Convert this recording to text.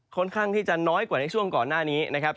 ค่อนข้างที่จะน้อยกว่าในช่วงก่อนหน้านี้นะครับ